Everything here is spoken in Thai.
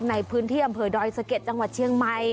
ในพื้นที่อำเภอดอยสะเก็ดจังหวัดเชียงใหม่